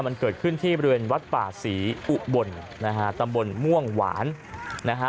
มันเกิดขึ้นที่บริเวณวัดป่าศรีอุบลนะฮะตำบลม่วงหวานนะฮะ